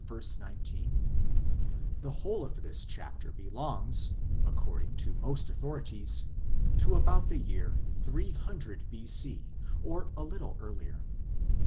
19 ; the whole of this chapter belongs, according to most authorities, to about the year 300 B.C. or a little earlier.